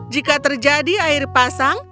jika terjadi air pasang